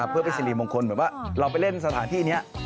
เพื่อเป็นสิริมงคลเหมือนว่าเราไปเล่นสถานที่นี้